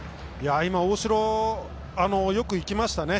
今、大城よくいきましたね。